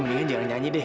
man kamu itu abis gajian